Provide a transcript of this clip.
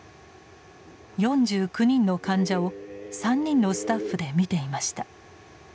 ４９人の患者を３人のスタッフでみていました。